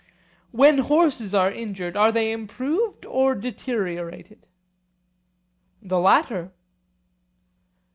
When horses are injured, are they improved or deteriorated? The latter.